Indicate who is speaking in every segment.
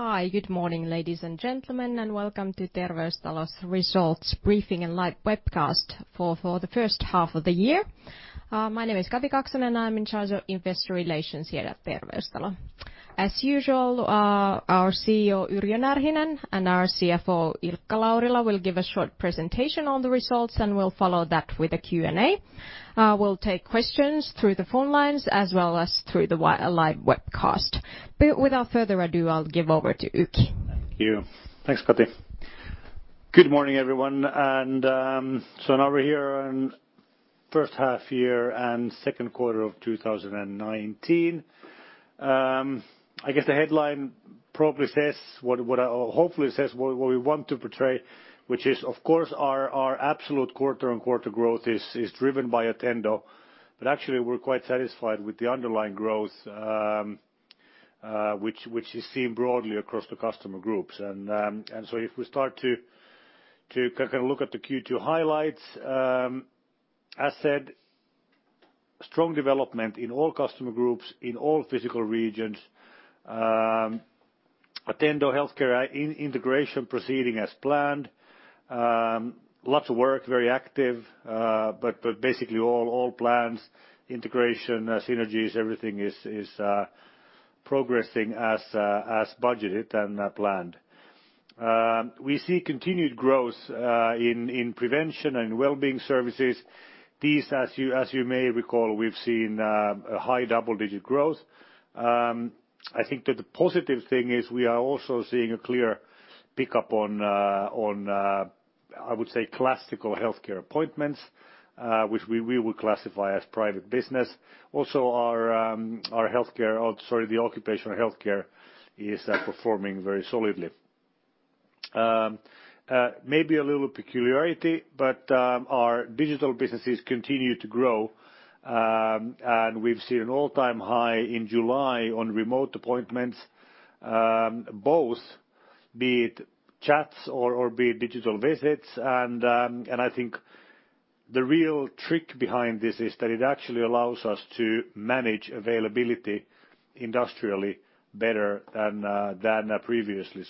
Speaker 1: Hi, good morning, ladies and gentlemen, welcome to Terveystalo's results briefing and live webcast for the first half of the year. My name is Kati Kaksonen, I'm in charge of investor relations here at Terveystalo. As usual, our CEO, Yrjö Närhinen, our CFO, Ilkka Laurila, will give a short presentation on the results, we'll follow that with a Q&A. We'll take questions through the phone lines as well as through the live webcast. Without further ado, I'll give over to Ukki.
Speaker 2: Thank you. Thanks, Kati. Good morning, everyone. Now we're here on first half year and second quarter of 2019. I guess the headline hopefully says what we want to portray, which is, of course, our absolute quarter-on-quarter growth is driven by Attendo, but actually we're quite satisfied with the underlying growth, which is seen broadly across the customer groups. If we start to look at the Q2 highlights. As said, strong development in all customer groups, in all physical regions. Attendo healthcare integration proceeding as planned. Lots of work, very active, but basically all plans, integration, synergies, everything is progressing as budgeted and planned. We see continued growth in prevention and wellbeing services. These, as you may recall, we've seen a high double-digit growth. I think that the positive thing is we are also seeing a clear pickup on, I would say, classical healthcare appointments, which we will classify as private business. The occupational healthcare is performing very solidly. Maybe a little peculiarity, our digital businesses continue to grow. We've seen an all-time high in July on remote appointments, both be it chats or be it digital visits. I think the real trick behind this is that it actually allows us to manage availability industrially better than previously.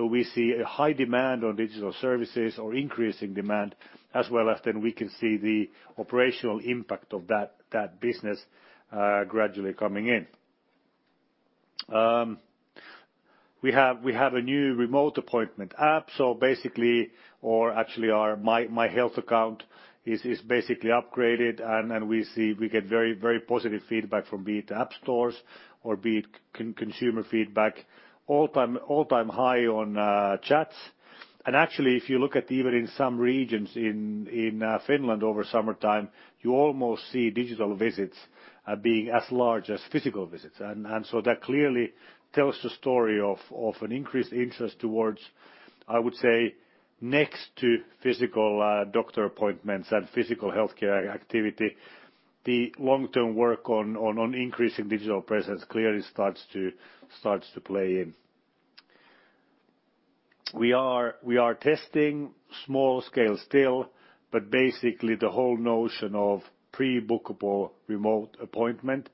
Speaker 2: We see a high demand on digital services or increasing demand as well as then we can see the operational impact of that business gradually coming in. We have a new remote appointment app. Oma Terveys account is basically upgraded, and we get very positive feedback from be it app stores or be it consumer feedback. All-time high on chats. Actually, if you look at even in some regions in Finland over summertime, you almost see digital visits being as large as physical visits. That clearly tells the story of an increased interest towards, I would say, next to physical doctor appointments and physical healthcare activity. The long-term work on increasing digital presence clearly starts to play in. We are testing small scale still, but basically the whole notion of pre-bookable remote appointment.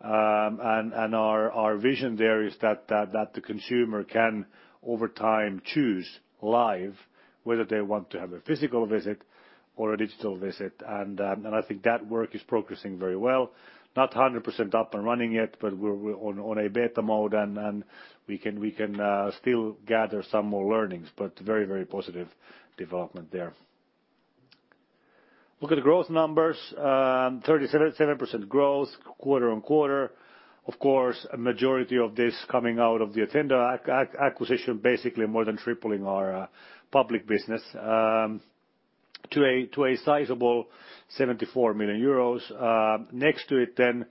Speaker 2: Our vision there is that the consumer can, over time, choose live whether they want to have a physical visit or a digital visit. I think that work is progressing very well. Not 100% up and running yet, but we're on a beta mode, and we can still gather some more learnings. Very positive development there. Look at the growth numbers, 37% growth quarter-on-quarter. Of course, a majority of this coming out of the Attendo acquisition, basically more than tripling our public business to a sizable 74 million euros. Next to it then,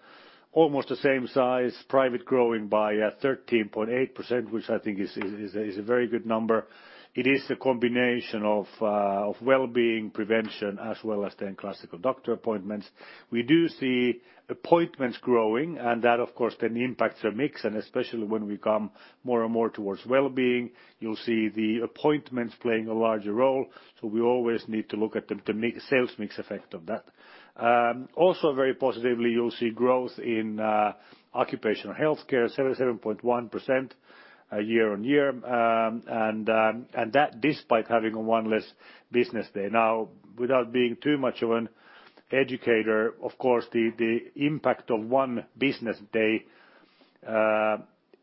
Speaker 2: almost the same size, private growing by 13.8%, which I think is a very good number. It is a combination of wellbeing prevention as well as then classical doctor appointments. We do see appointments growing, that, of course, then impacts our mix, especially when we come more and more towards wellbeing, you'll see the appointments playing a larger role. We always need to look at the sales mix effect of that. Also very positively, you'll see growth in occupational healthcare, 77.1% year-over-year. That despite having one less business day. Without being too much of an educator, of course, the impact of one business day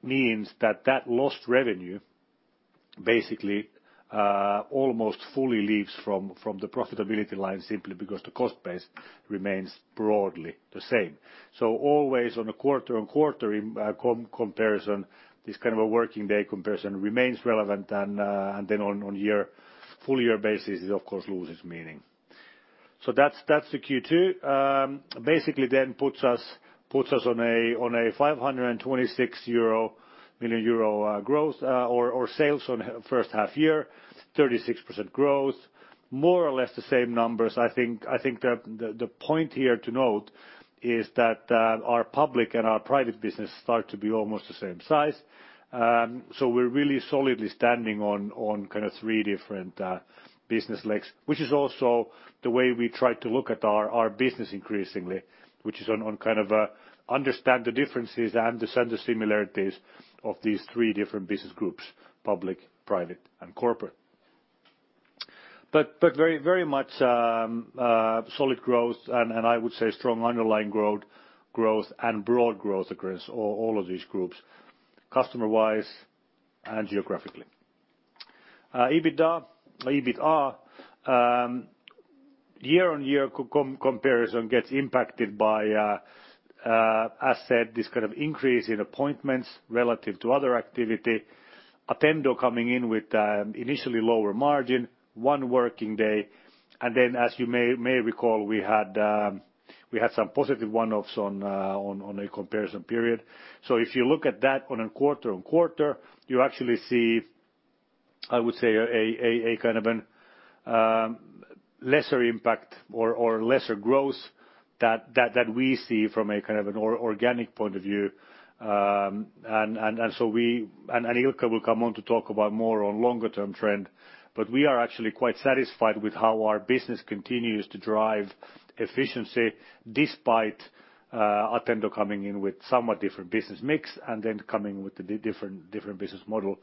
Speaker 2: means that that lost revenue basically almost fully leaves from the profitability line simply because the cost base remains broadly the same. Always on a quarter-on-quarter comparison, this kind of a working day comparison remains relevant, and then on full year basis, it of course loses meaning. That's the Q2. Puts us on a 526 million euro sales on first half year, 36% growth, more or less the same numbers. I think the point here to note is that our public and our private business start to be almost the same size. We're really solidly standing on three different business legs, which is also the way we try to look at our business increasingly, which is on understand the differences and the similarities of these three different business groups, public, private, and corporate. Very much solid growth, and I would say strong underlying growth, and broad growth across all of these groups, customer-wise and geographically. EBITDA year-on-year comparison gets impacted by, as said, this increase in appointments relative to other activity. Attendo coming in with initially lower margin, one working day, and then as you may recall, we had some positive one-offs on a comparison period. If you look at that on a quarter-on-quarter, you actually see, I would say, a kind of lesser impact or lesser growth that we see from an organic point of view. Ilkka will come on to talk about more on longer-term trend. We are actually quite satisfied with how our business continues to drive efficiency despite Attendo coming in with somewhat different business mix, and then coming with the different business model.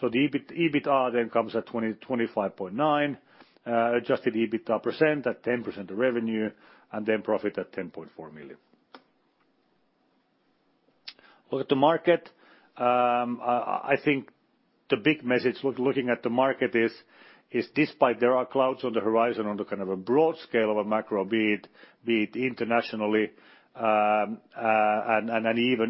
Speaker 2: The EBITDA then comes at 25.9. Adjusted EBITDA % at 10% of revenue, and then profit at 10.4 million. Look at the market. I think the big message looking at the market is despite there are clouds on the horizon on the broad scale of a macro, be it internationally, and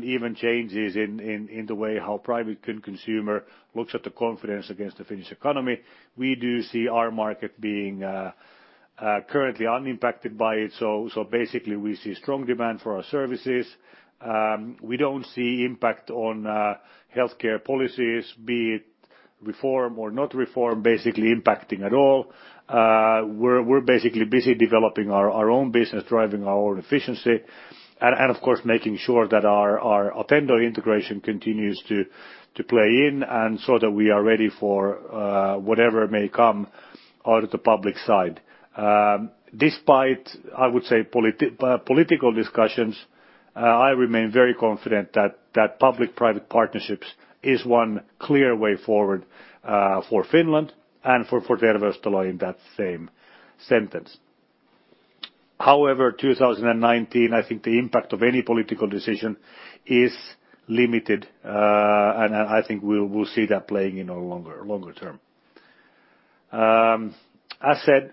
Speaker 2: even changes in the way how private consumer looks at the confidence against the Finnish economy, we do see our market being currently unimpacted by it. Basically, we see strong demand for our services. We don't see impact on healthcare policies, be it reform or not reform, basically impacting at all. We're basically busy developing our own business, driving our own efficiency, and of course, making sure that our Attendo integration continues to play in, and so that we are ready for whatever may come out of the public side. Despite, I would say, political discussions, I remain very confident that public-private partnerships is one clear way forward for Finland and for Terveystalo in that same sentence. 2019, I think the impact of any political decision is limited. I think we'll see that playing in on longer term. As said,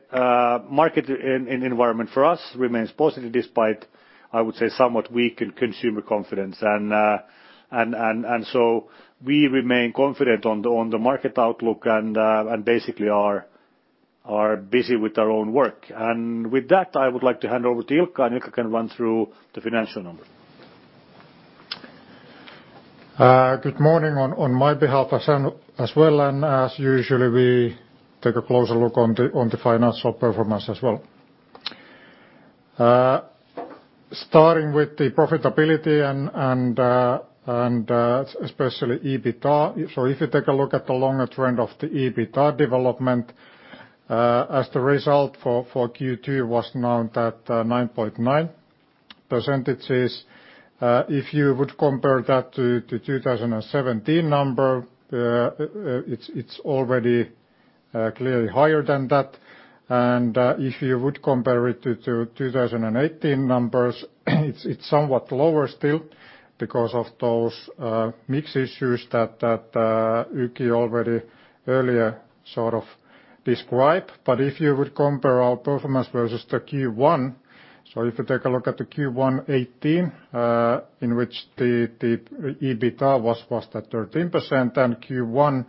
Speaker 2: market environment for us remains positive despite, I would say, somewhat weak in consumer confidence. We remain confident on the market outlook and basically are busy with our own work. With that, I would like to hand over to Ilkka. Ilkka can run through the financial numbers.
Speaker 3: Good morning on my behalf as well, and as usually, we take a closer look on the financial performance as well. Starting with the profitability and especially EBITDA. If you take a look at the longer trend of the EBITDA development, as the result for Q2 was now at 9.9%. If you would compare that to 2017 number, it's already clearly higher than that. If you would compare it to 2018 numbers, it's somewhat lower still because of those mix issues that Yrjö already earlier sort of described. If you would compare our performance versus the Q1, so if you take a look at the Q1 2018, in which the EBITDA was at 13%, and Q1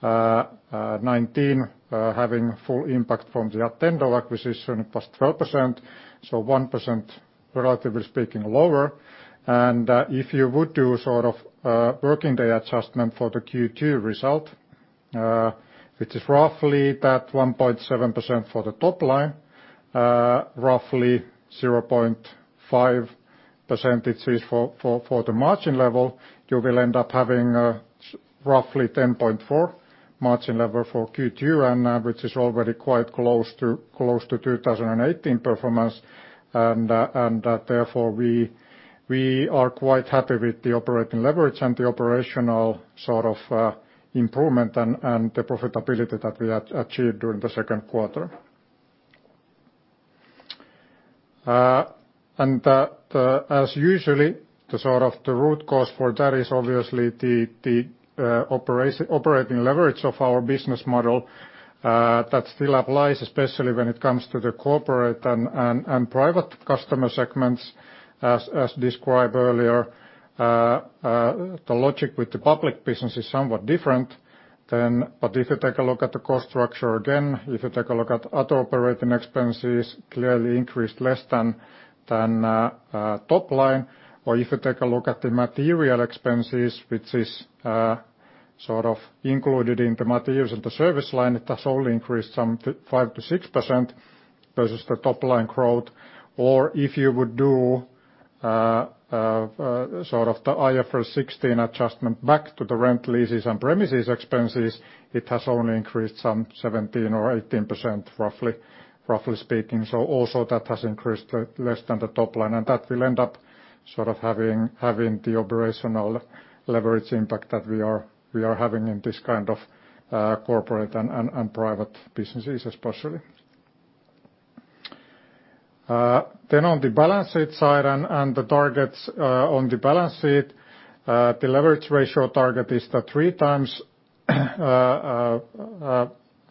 Speaker 3: 2019, having full impact from the Attendo acquisition +12%, so 1%, relatively speaking, lower. If you would do a sort of working day adjustment for the Q2 result, which is roughly that 1.7% for the top line, roughly 0.5% for the margin level, you will end up having roughly 10.4 margin level for Q2, and which is already quite close to 2018 performance. Therefore, we are quite happy with the operating leverage and the operational improvement and the profitability that we achieved during the second quarter. As usually, the root cause for that is obviously the operating leverage of our business model. That still applies, especially when it comes to the corporate and private customer segments as described earlier. The logic with the public business is somewhat different. If you take a look at the cost structure again, if you take a look at other operating expenses, clearly increased less than top line. If you take a look at the material expenses, which is sort of included in the materials and the service line, it has only increased some 5%-6% versus the top-line growth. If you would do the IFRS 16 adjustment back to the rent leases and premises expenses, it has only increased some 17% or 18%, roughly speaking. Also that has increased less than the top line, and that will end up having the operational leverage impact that we are having in this kind of corporate and private businesses especially. On the balance sheet side and the targets on the balance sheet, the leverage ratio target is the three times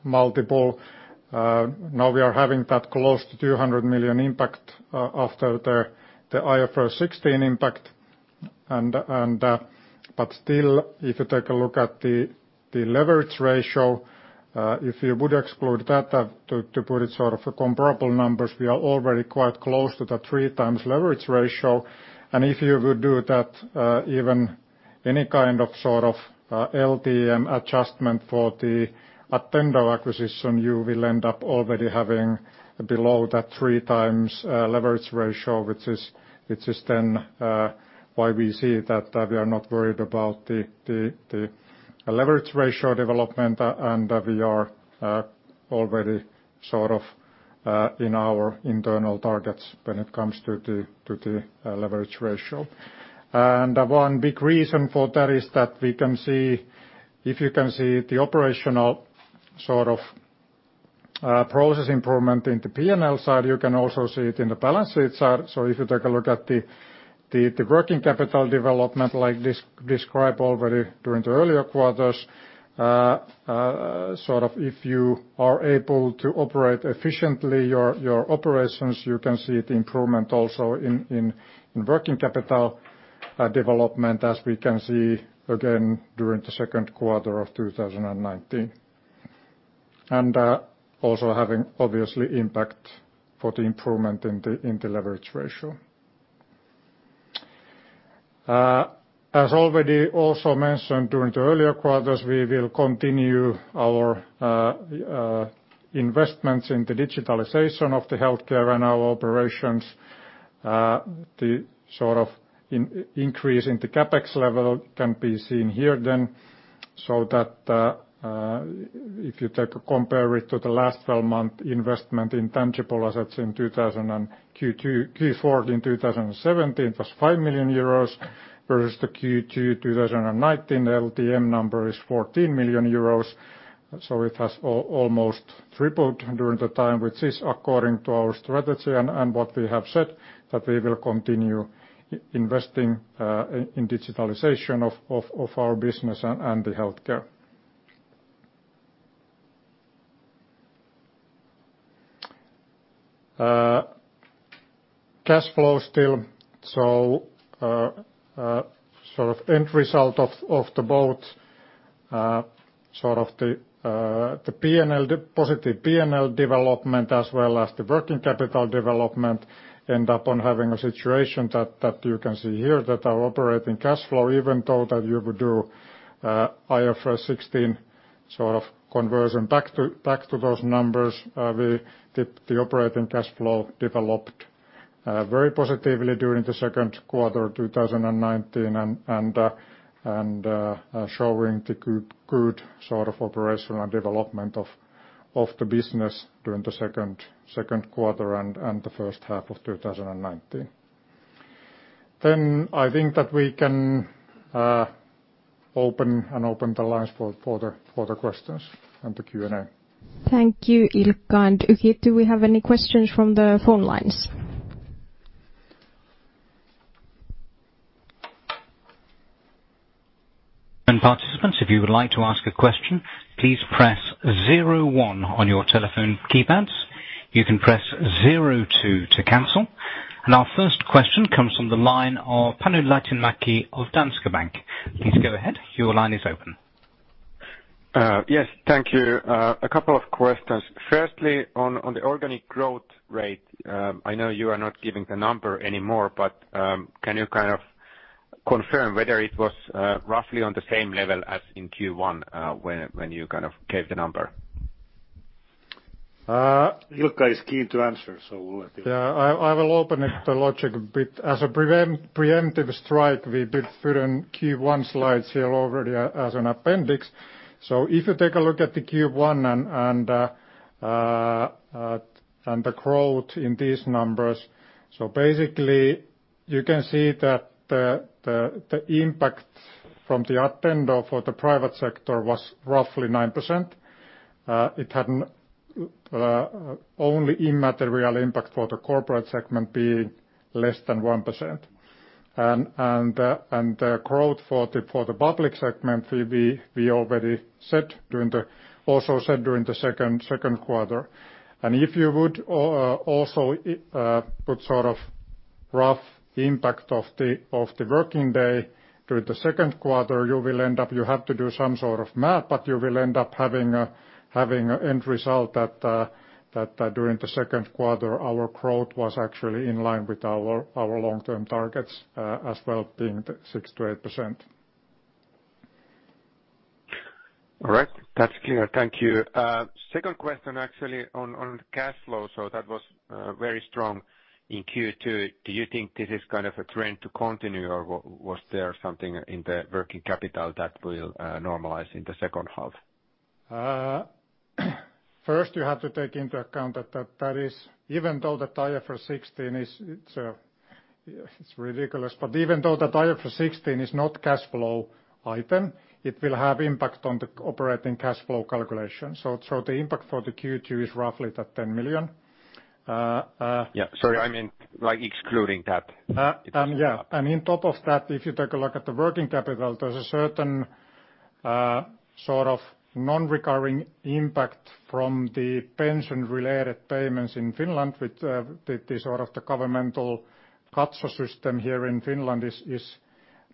Speaker 3: multiple. Now we are having that close to 200 million impact after the IFRS 16 impact. Still, if you take a look at the leverage ratio, if you would exclude that, to put it sort of comparable numbers, we are already quite close to the three times leverage ratio. If you would do that, even any kind of LTM adjustment for the Attendo acquisition, you will end up already having below that three times leverage ratio, which is then why we see that we are not worried about the leverage ratio development. We are already sort of in our internal targets when it comes to the leverage ratio. One big reason for that is that if you can see the operational process improvement in the P&L side, you can also see it in the balance sheet side. If you take a look at the working capital development like described already during the earlier quarters, sort of if you are able to operate efficiently your operations, you can see the improvement also in working capital development as we can see again during the second quarter of 2019. Also having obviously impact for the improvement in the leverage ratio. As already also mentioned during the earlier quarters, we will continue our investments in the digitalization of the healthcare and our operations. The increase in the CapEx level can be seen here then, so that if you compare it to the last 12-month investment in tangible assets in Q4 in 2017 was 5 million euros, versus the Q2 2019 LTM number is 14 million euros. It has almost tripled during the time, which is according to our strategy and what we have said, that we will continue investing in digitalization of our business and the healthcare. Cash flow still. End result of the both the positive P&L development as well as the working capital development end up on having a situation that you can see here, that our operating cash flow, even though that you would do IFRS 16 conversion back to those numbers, the operating cash flow developed very positively during the second quarter 2019, and showing the good sort of operational development of the business during the second quarter and the first half of 2019. I think that we can open the lines for the questions and the Q&A.
Speaker 1: Thank you, Ilkka and Yrjö. Do we have any questions from the phone lines?
Speaker 4: Participants, if you would like to ask a question, please press 01 on your telephone keypads. You can press 02 to cancel. Our first question comes from the line of Panu Laitinmäki of Danske Bank. Please go ahead. Your line is open.
Speaker 5: Thank you. A couple of questions. Firstly, on the organic growth rate, I know you are not giving the number anymore. Can you kind of confirm whether it was roughly on the same level as in Q1, when you kind of gave the number?
Speaker 3: Ilkka is keen to answer, we'll let him. Yeah, I will open it, the logic a bit. As a preemptive strike, we did put in Q1 slides here already as an appendix. If you take a look at the Q1 and the growth in these numbers, basically you can see that the impact from the Attendo for the private sector was roughly 9%. It had only immaterial impact for the corporate segment being less than 1%. The growth for the public segment we already also said during the second quarter. If you would also put sort of rough impact of the working day during the second quarter, you will end up, you have to do some sort of math, but you will end up having end result that during the second quarter, our growth was actually in line with our long-term targets as well, being the 6%-8%.
Speaker 5: All right. That's clear. Thank you. Second question actually on cash flow. That was very strong in Q2. Do you think this is kind of a trend to continue, or was there something in the working capital that will normalize in the second half?
Speaker 3: First you have to take into account that that is, even though the IFRS 16 it's Yes, it's ridiculous. Even though that IFRS 16 is not cash flow item, it will have impact on the operating cash flow calculation. The impact for the Q2 is roughly that 10 million.
Speaker 2: Yeah. Sorry, I meant like excluding that.
Speaker 3: Yeah. On top of that, if you take a look at the working capital, there's a certain sort of non-recurring impact from the pension-related payments in Finland with the sort of the Katso system here in Finland is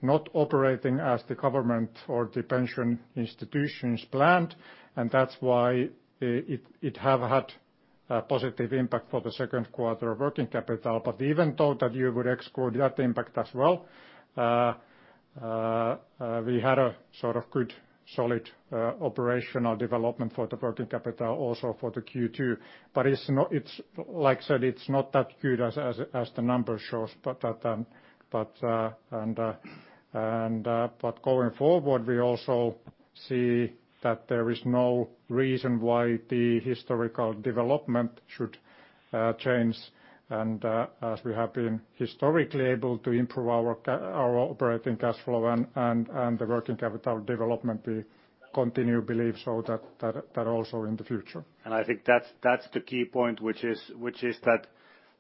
Speaker 3: not operating as the government or the pension institutions planned. That's why it has had a positive impact for the second quarter working capital. Even though that you would exclude that impact as well, we had a sort of good, solid operational development for the working capital also for the Q2. Like I said, it's not that good as the number shows. Going forward, we also see that there is no reason why the historical development should change. As we have been historically able to improve our operating cash flow and the working capital development, we continue to believe so that also in the future.
Speaker 2: I think that's the key point which is that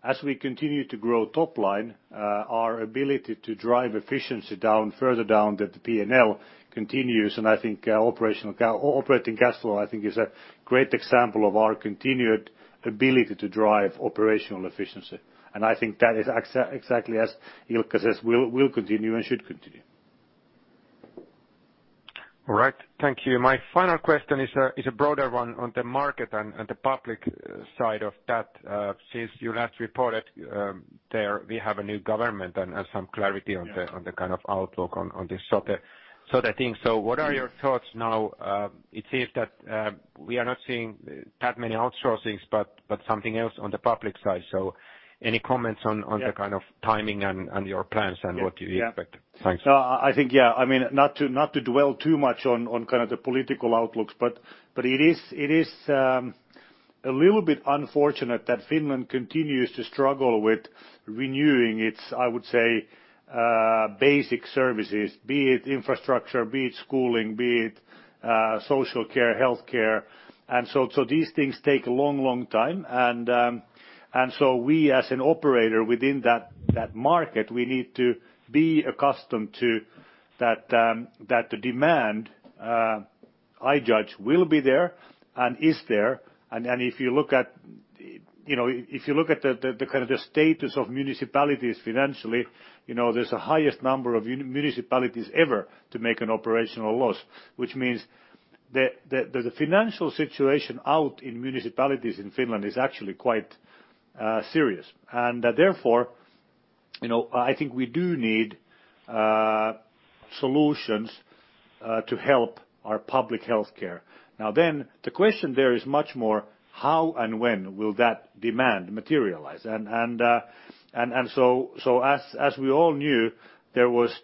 Speaker 2: as we continue to grow top line, our ability to drive efficiency further down the P&L continues, and I think operating cash flow, I think, is a great example of our continued ability to drive operational efficiency. I think that is exactly as Ilkka says, will continue and should continue.
Speaker 5: All right. Thank you. My final question is a broader one on the market and the public side of that. Since you last reported, there we have a new government and some clarity.
Speaker 2: Yeah
Speaker 5: on the kind of outlook on this sort of thing. What are your thoughts now? It seems that we are not seeing that many outsourcings, but something else on the public side. Any comments on the.
Speaker 2: Yeah
Speaker 5: kind of timing and your plans and what you expect. Thanks.
Speaker 2: I think, yeah, not to dwell too much on kind of the political outlooks, but it is a little bit unfortunate that Finland continues to struggle with renewing its, I would say, basic services, be it infrastructure, be it schooling, be it social care, healthcare. These things take a long time. We as an operator within that market, we need to be accustomed to that the demand, I judge, will be there and is there. If you look at the status of municipalities financially, there's a highest number of municipalities ever to make an operational loss, which means the financial situation out in municipalities in Finland is actually quite serious. Therefore, I think we do need solutions to help our public healthcare. The question there is much more how and when will that demand materialize? As we all knew, there was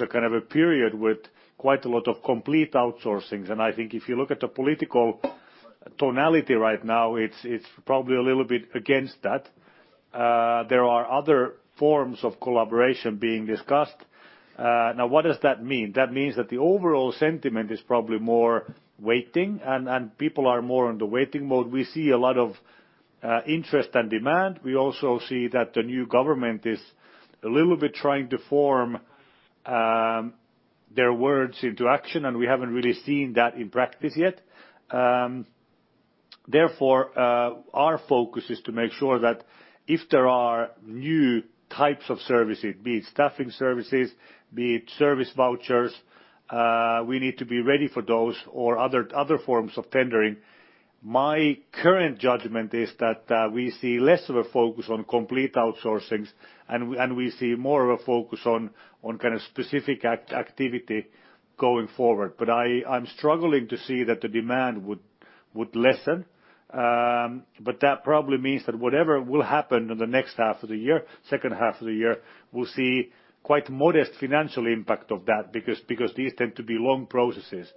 Speaker 2: a kind of a period with quite a lot of complete outsourcing. I think if you look at the political tonality right now, it's probably a little bit against that. There are other forms of collaboration being discussed. What does that mean? That means that the overall sentiment is probably more waiting and people are more on the waiting mode. We see a lot of interest and demand. We also see that the new government is a little bit trying to form their words into action, and we haven't really seen that in practice yet. Therefore, our focus is to make sure that if there are new types of services, be it staffing services, be it service vouchers, we need to be ready for those or other forms of tendering. My current judgment is that we see less of a focus on complete outsourcings, and we see more of a focus on kind of specific activity going forward. I'm struggling to see that the demand would lessen. That probably means that whatever will happen in the next half of the year, second half of the year, we'll see quite modest financial impact of that because these tend to be long processes.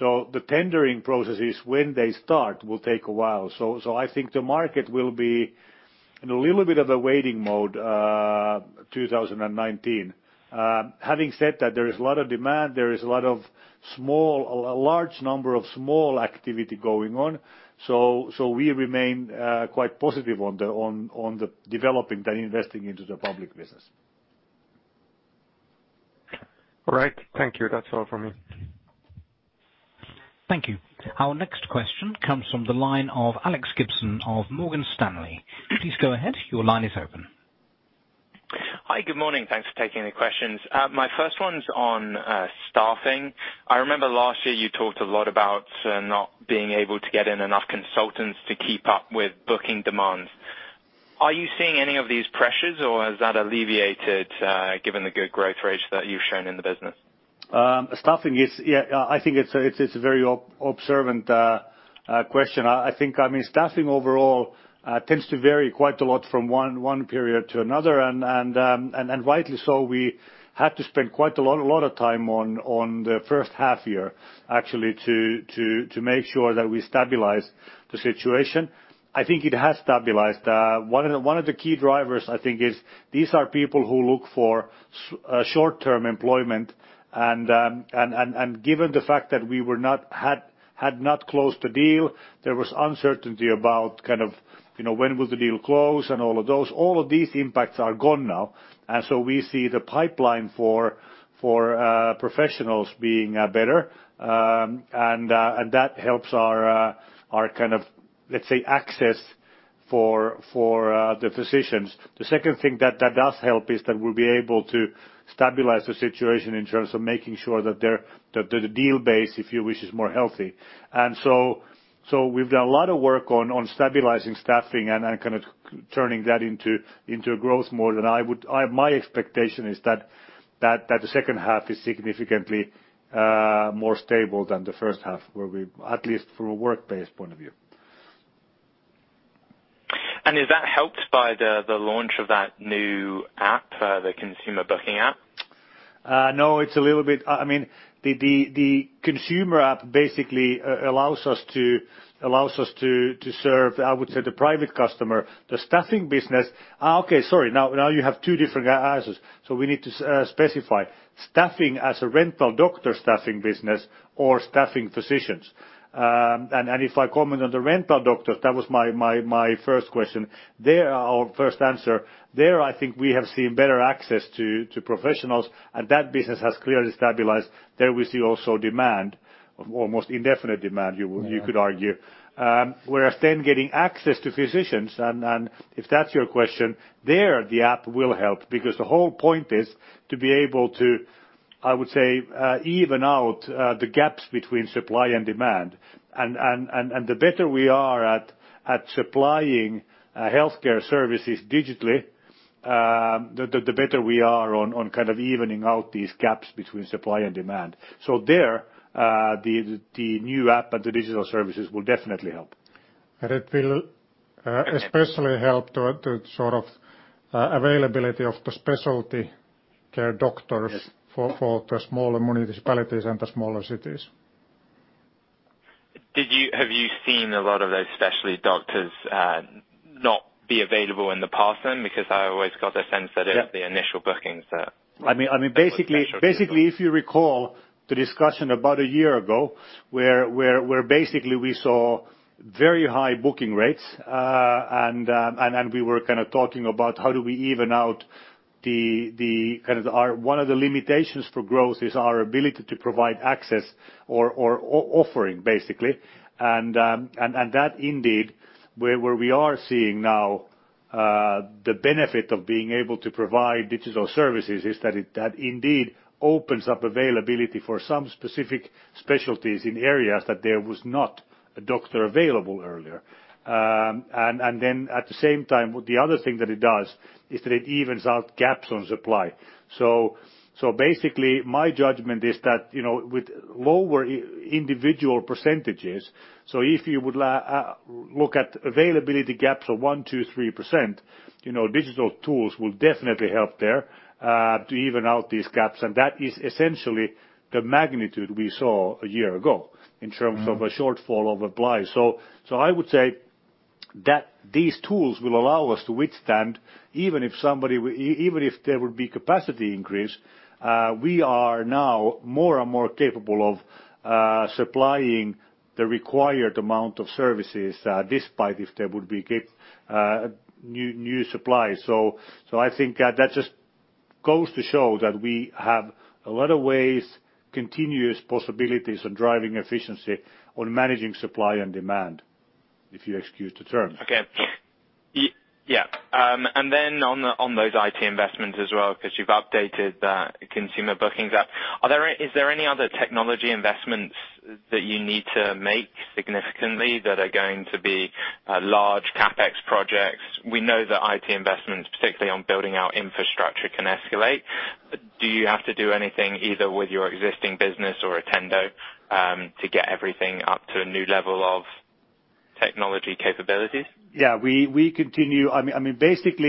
Speaker 2: The tendering processes, when they start, will take a while. I think the market will be in a little bit of a waiting mode, 2019. Having said that, there is a lot of demand, there is a large number of small activity going on, so we remain quite positive on the developing and investing into the public business. All right. Thank you. That's all from me.
Speaker 4: Thank you. Our next question comes from the line of Alex Gibson of Morgan Stanley. Please go ahead. Your line is open.
Speaker 6: Hi. Good morning. Thanks for taking the questions. My first one's on staffing. I remember last year you talked a lot about not being able to get in enough consultants to keep up with booking demands. Are you seeing any of these pressures or has that alleviated given the good growth rates that you've shown in the business?
Speaker 2: Staffing, I think it's a very observant question. I think, staffing overall tends to vary quite a lot from one period to another, and rightly so. We had to spend quite a lot of time on the first half year, actually, to make sure that we stabilize the situation. I think it has stabilized. One of the key drivers, I think, is these are people who look for short-term employment, and given the fact that we had not closed the deal, there was uncertainty about when will the deal close, and all of those. All of these impacts are gone now. We see the pipeline for professionals being better, and that helps our, let's say, access for the physicians. The second thing that does help is that we'll be able to stabilize the situation in terms of making sure that the deal base, if you wish, is more healthy. We've done a lot of work on stabilizing staffing and then kind of turning that into a growth mode. My expectation is that the second half is significantly more stable than the first half, at least from a work-based point of view.
Speaker 6: Is that helped by the launch of that new app, the consumer booking app?
Speaker 2: No, the consumer app basically allows us to serve, I would say, the private customer. Okay, sorry. Now you have two different answers. We need to specify. Staffing as a rental doctor staffing business or staffing physicians. If I comment on the rental doctors, that was my first answer. There, I think we have seen better access to professionals, and that business has clearly stabilized. There we see also demand, almost indefinite demand.
Speaker 6: Yeah
Speaker 2: you could argue. Getting access to physicians, and if that's your question, there the app will help because the whole point is to be able to, I would say, even out the gaps between supply and demand. The better we are at supplying healthcare services digitally, the better we are on evening out these gaps between supply and demand. There, the new app and the digital services will definitely help.
Speaker 6: It will especially help the availability of the specialty care doctors.
Speaker 2: Yes
Speaker 6: for the smaller municipalities and the smaller cities. Have you seen a lot of those specialty doctors not be available in the past then? I always got a sense.
Speaker 2: Yeah
Speaker 6: it was the initial bookings that
Speaker 2: If you recall the discussion about a year ago, where basically we saw very high booking rates, and we were kind of talking about how do we even out one of the limitations for growth is our ability to provide access or offering, basically. That indeed, where we are seeing now the benefit of being able to provide digital services is that indeed opens up availability for some specific specialties in areas that there was not a doctor available earlier. At the same time, the other thing that it does is that it evens out gaps on supply. Basically, my judgment is that with lower individual percentages, if you would look at availability gaps of 1%, 2%, 3%, digital tools will definitely help there to even out these gaps. That is essentially the magnitude we saw a year ago in terms of. a shortfall of supply. I would say that these tools will allow us to withstand, even if there would be capacity increase, we are now more and more capable of supplying the required amount of services, despite if there would be new supply. I think that just goes to show that we have a lot of ways, continuous possibilities on driving efficiency, on managing supply and demand, if you excuse the term.
Speaker 6: Okay. Yeah. On those IT investments as well, because you've updated that consumer bookings app, is there any other technology investments that you need to make significantly that are going to be large CapEx projects? We know that IT investments, particularly on building out infrastructure can escalate. Do you have to do anything either with your existing business or Attendo to get everything up to a new level of technology capabilities?
Speaker 2: Yeah. Basically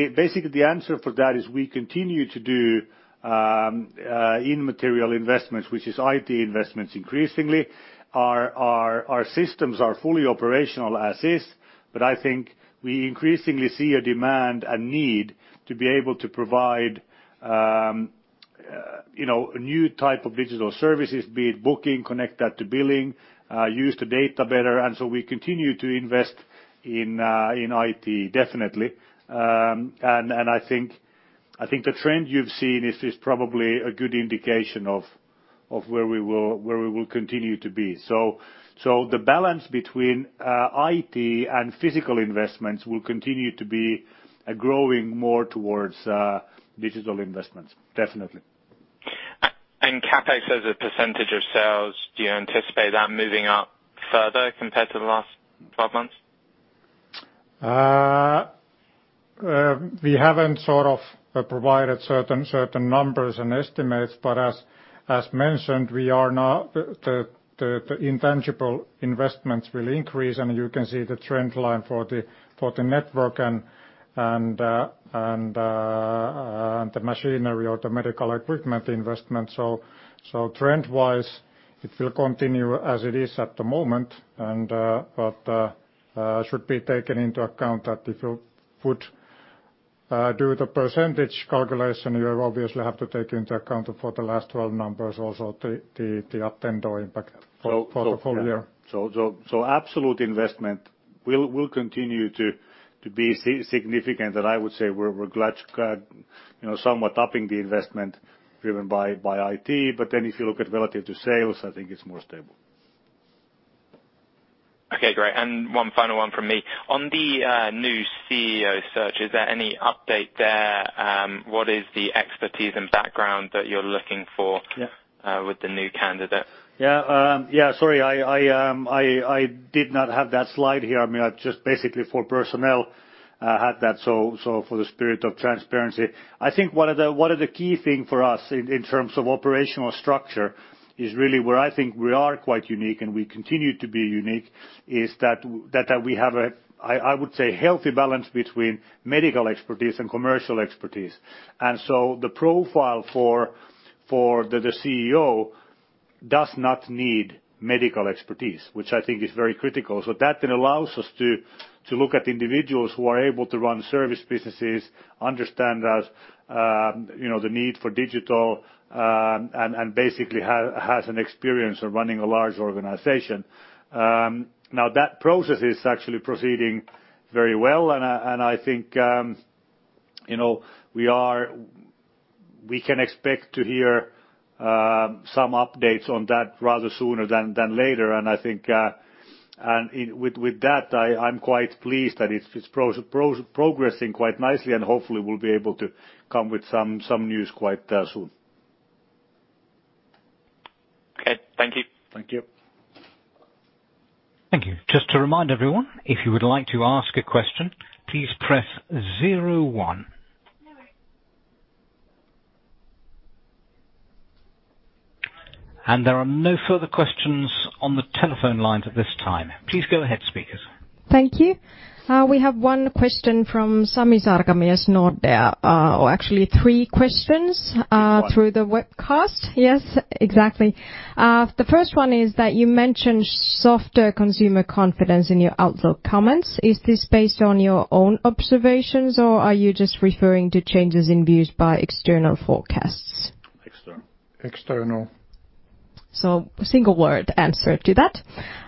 Speaker 2: the answer for that is we continue to do immaterial investments, which is IT investments increasingly. Our systems are fully operational as is, but I think we increasingly see a demand and need to be able to provide new type of digital services, be it booking, connect that to billing, use the data better. We continue to invest in IT, definitely. I think the trend you've seen is probably a good indication of where we will continue to be. The balance between IT and physical investments will continue to be growing more towards digital investments. Definitely.
Speaker 6: CapEx as a % of sales, do you anticipate that moving up further compared to the last 12 months?
Speaker 3: We haven't sort of provided certain numbers and estimates. As mentioned, the intangible investments will increase. You can see the trend line for the network and the machinery or the medical equipment investment. Trend-wise, it will continue as it is at the moment and should be taken into account that if you would do the percentage calculation, you obviously have to take into account for the last 12 numbers also the Attendo impact for the full year. Absolute investment will continue to be significant. I would say we're glad somewhat upping the investment driven by IT. If you look at relative to sales, I think it's more stable.
Speaker 6: Okay, great. One final one from me. On the new CEO search, is there any update there? What is the expertise and background that you're looking for?
Speaker 2: Yeah
Speaker 6: with the new candidate?
Speaker 2: Yeah. Sorry, I did not have that slide here. I mean, just basically for personnel, had that, so for the spirit of transparency. I think one of the key thing for us in terms of operational structure is really where I think we are quite unique and we continue to be unique, is that we have a, I would say, healthy balance between medical expertise and commercial expertise. The profile for the CEO does not need medical expertise, which I think is very critical. That then allows us to look at individuals who are able to run service businesses, understand the need for digital, and basically has an experience of running a large organization. Now, that process is actually proceeding very well, and I think we can expect to hear some updates on that rather sooner than later. I think with that, I'm quite pleased that it's progressing quite nicely, and hopefully we'll be able to come with some news quite soon.
Speaker 6: Okay. Thank you.
Speaker 2: Thank you.
Speaker 4: Thank you. Just to remind everyone, if you would like to ask a question, please press zero one. There are no further questions on the telephone lines at this time. Please go ahead, speakers.
Speaker 1: Thank you. We have one question from Sami Sarkamies, Nordea. Actually, three questions.
Speaker 2: Three, one
Speaker 1: through the webcast. Yes, exactly. The first one is that you mentioned softer consumer confidence in your outlook comments. Is this based on your own observations or are you just referring to changes in views by external forecasts?
Speaker 2: External. External.
Speaker 1: Single-word answer to that.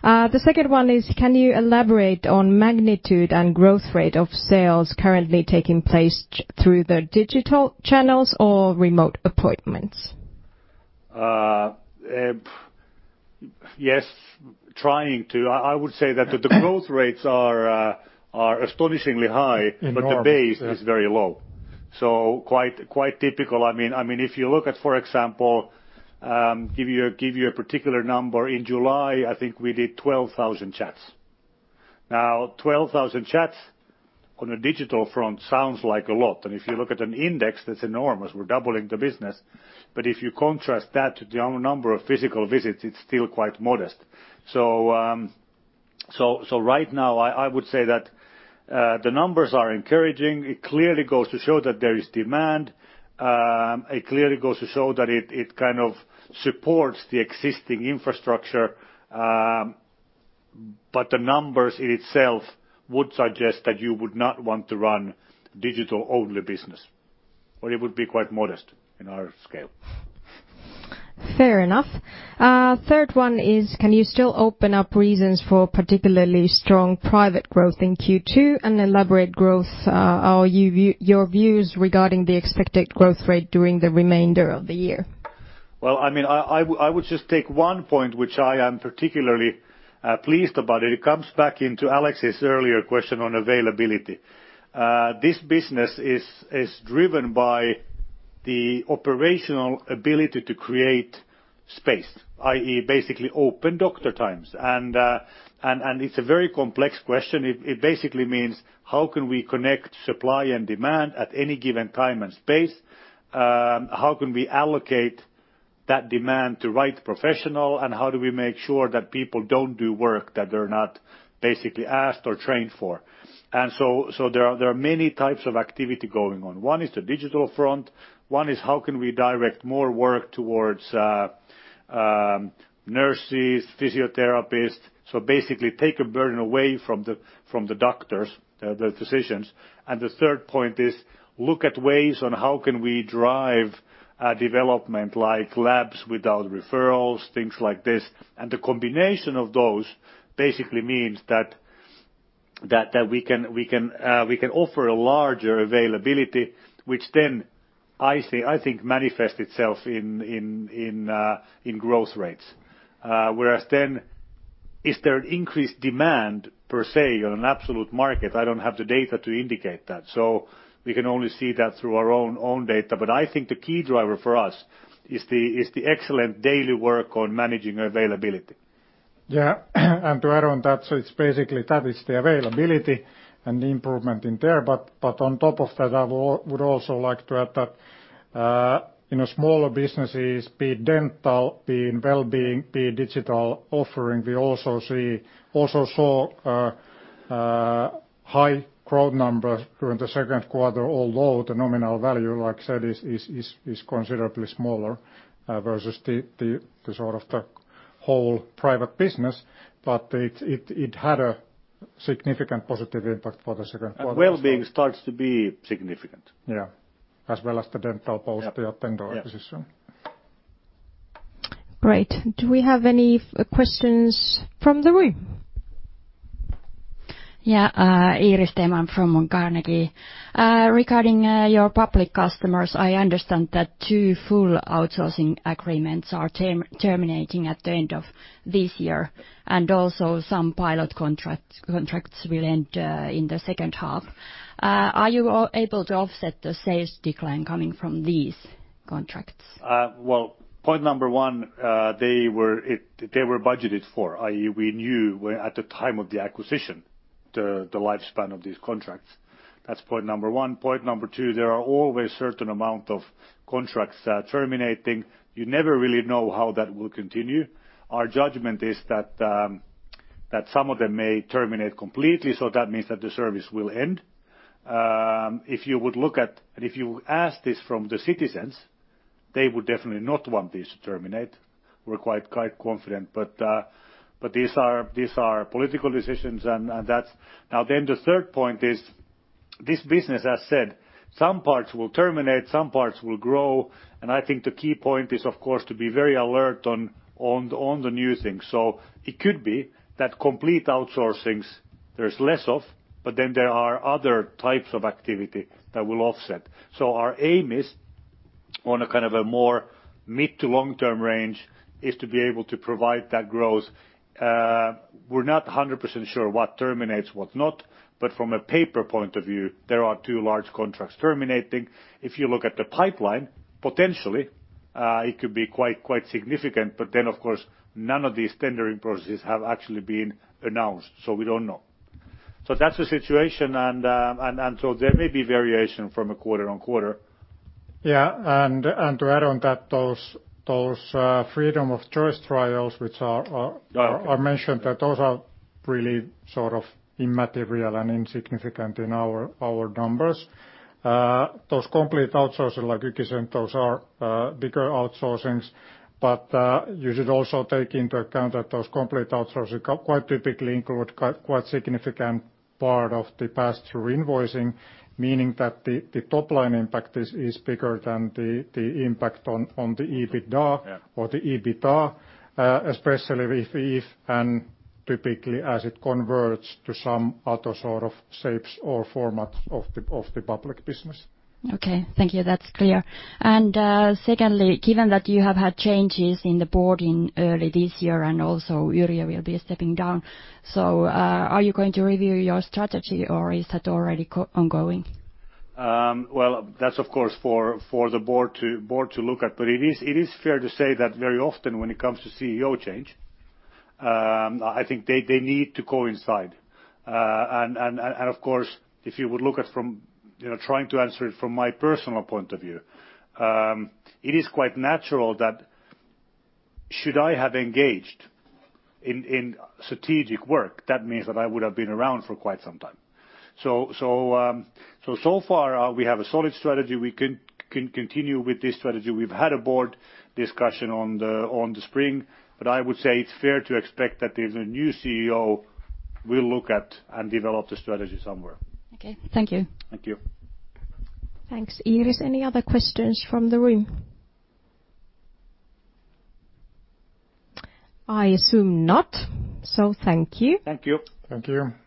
Speaker 1: The second one is, can you elaborate on magnitude and growth rate of sales currently taking place through the digital channels or remote appointments?
Speaker 2: Yes. Trying to. I would say that the growth rates are astonishingly high. Enormous. The base is very low. Quite typical. If you look at, for example, give you a particular number. In July, I think we did 12,000 chats. Now, 12,000 chats on a digital front sounds like a lot. If you look at an index, that's enormous. We're doubling the business. If you contrast that to the number of physical visits, it's still quite modest. Right now, I would say that the numbers are encouraging. It clearly goes to show that there is demand. It clearly goes to show that it kind of supports the existing infrastructure. The numbers in itself would suggest that you would not want to run digital-only business, or it would be quite modest in our scale.
Speaker 1: Fair enough. Third one is, can you still open up reasons for particularly strong private growth in Q2 and elaborate your views regarding the expected growth rate during the remainder of the year?
Speaker 2: Well, I would just take one point, which I am particularly pleased about. It comes back into Alex's earlier question on availability. This business is driven by the operational ability to create space, i.e., basically open doctor times. It's a very complex question. It basically means how can we connect supply and demand at any given time and space? How can we allocate that demand to right professional, how do we make sure that people don't do work that they're not basically asked or trained for? There are many types of activity going on. One is the digital front. One is how can we direct more work towards nurses, physiotherapists, so basically take a burden away from the doctors, the physicians. The third point is look at ways on how can we drive development like labs without referrals, things like this. The combination of those basically means that we can offer a larger availability, which then I think manifests itself in growth rates. Is there an increased demand, per se, on an absolute market? I don't have the data to indicate that, so we can only see that through our own data. I think the key driver for us is the excellent daily work on managing availability.
Speaker 3: Yeah. To add on that, it's basically that is the availability and the improvement in there. On top of that, I would also like to add that in our smaller businesses, be it dental, be it well-being, be it digital offering, we also saw a high growth number during the second quarter, although the nominal value, like I said, is considerably smaller versus the whole private business. It had a significant positive impact for the second quarter.
Speaker 2: Well-being starts to be significant.
Speaker 3: Yeah.
Speaker 2: Yep the Attendo acquisition. Yes.
Speaker 1: Great. Do we have any questions from the room?
Speaker 7: Yeah. Iiris Theman from Carnegie. Regarding your public customers, I understand that two full outsourcing agreements are terminating at the end of this year, and also some pilot contracts will end in the second half. Are you able to offset the sales decline coming from these contracts?
Speaker 2: Well, point number one, they were budgeted for, i.e., we knew at the time of the acquisition, the lifespan of these contracts. That's point number one. Point number two, there are always certain amount of contracts terminating. You never really know how that will continue. Our judgment is that some of them may terminate completely, that means that the service will end. If you ask this from the citizens, they would definitely not want this to terminate. We're quite confident. These are political decisions. The third point is this business, as I said, some parts will terminate, some parts will grow, I think the key point is, of course, to be very alert on the new things. It could be that complete outsourcing there's less of, there are other types of activity that will offset. Our aim is, on a more mid to long-term range, is to be able to provide that growth. We're not 100% sure what terminates, what not, but from a paper point of view, there are two large contracts terminating. If you look at the pipeline, potentially, it could be quite significant, of course, none of these tendering processes have actually been announced. We don't know. That's the situation, there may be variation from quarter-on-quarter.
Speaker 3: Yeah, to add on that, those freedom of choice trials.
Speaker 2: Yeah I mentioned that those are really immaterial and insignificant in our numbers. Those complete outsourcings, like Yrjö said, those are bigger outsourcings. You should also take into account that those complete outsourcings quite typically include quite significant part of the pass-through invoicing, meaning that the top-line impact is bigger than the impact on the EBITDA.
Speaker 3: Yeah The EBITA, especially if and typically as it converts to some other sort of shapes or formats of the public business.
Speaker 7: Okay. Thank you. That's clear. Secondly, given that you have had changes in the board early this year, and also Yrjö will be stepping down, are you going to review your strategy or is that already ongoing?
Speaker 2: Well, that's, of course, for the board to look at. It is fair to say that very often when it comes to CEO change, I think they need to coincide. Of course, if you would look at from trying to answer it from my personal point of view, it is quite natural that should I have engaged in strategic work, that means that I would've been around for quite some time. So far, we have a solid strategy. We can continue with this strategy. We've had a board discussion on the spring, I would say it's fair to expect that there's a new CEO will look at and develop the strategy somewhere.
Speaker 7: Okay. Thank you.
Speaker 2: Thank you.
Speaker 1: Thanks, Iiris. Any other questions from the room? I assume not. Thank you.
Speaker 2: Thank you.
Speaker 3: Thank you.